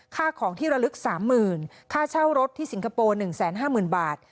ค่าของที่ระลึก๓๐๐๐ค่าเช่ารถที่สิงคโปร์๑๕๐๐๐บาท